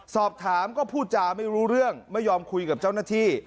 สอบถามก็พูดจาไม่รู้เรื่องไม่ยอมคุยกับเจ้าหน้าที่